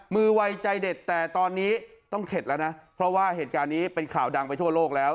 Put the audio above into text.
มือวัยใจเด็ดแต่ตอนนี้ต้องเข็ดแล้วนะเพราะว่าเหตุการณ์นี้เป็นข่าวดังไปทั่วโลกแล้ว